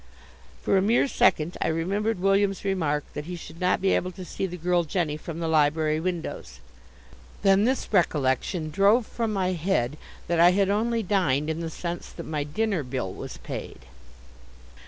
For a mere second I remembered William's remark that he should not be able to see the girl Jenny from the library windows. Then this recollection drove from my head that I had only dined in the sense that my dinner bill was paid.